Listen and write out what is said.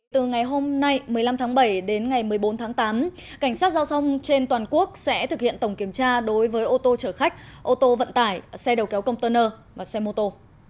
từ ngày hôm nay một mươi năm tháng bảy đến ngày một mươi bốn tháng tám cảnh sát giao thông trên toàn quốc sẽ thực hiện tổng kiểm tra đối với ô tô chở khách ô tô vận tải xe đầu kéo container và xe mô tô